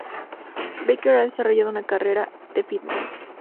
Baker ha desarrollado una carrera de "fitness".